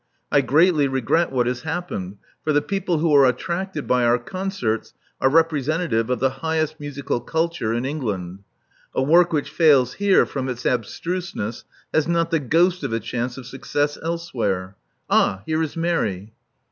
I greatly regret what has happened; for the people who are attracted by our concerts are repre sentative of the highest musical culture in England. A work which fails here from its abstruseness has not the ghost of a chance of success elsewhere. Ah ! Here is Mary."